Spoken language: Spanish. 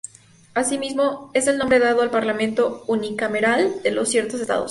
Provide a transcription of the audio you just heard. Así mismo es el nombre dado al parlamento unicameral de los ciertos estados.